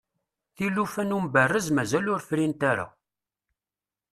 tilufa n umberrez mazal ur frint ara